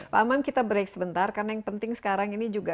pak aman kita break sebentar karena yang penting sekarang ini juga